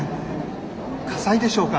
火災でしょうか？